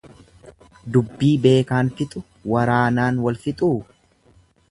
Dubbii beekaan fixu, waraanaan walfixuu.